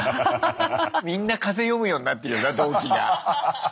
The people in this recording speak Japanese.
みんな風読むようになってるよな同期が。